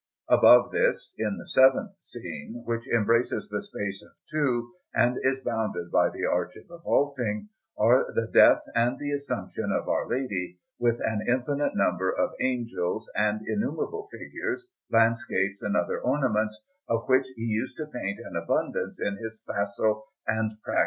Above this, in the seventh scene, which embraces the space of two, and is bounded by the arch of the vaulting, are the Death and the Assumption of Our Lady, with an infinite number of angels, and innumerable figures, landscapes, and other ornaments, of which he used to paint an abundance in his facile and practised manner.